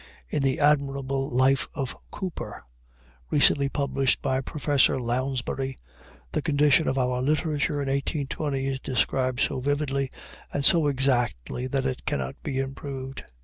In the admirable Life of Cooper, recently published, by Professor Lounsbury, the condition of our literature in 1820 is described so vividly and so exactly that it cannot be improved.